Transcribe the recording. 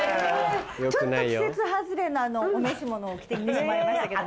ちょっと季節外れのお召し物を着て来てしまいましたけど。